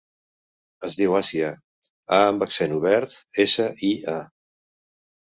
Es diu Àsia: a amb accent obert, essa, i, a.